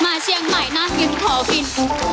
มาเชียงใหม่น่ะคือพอกิน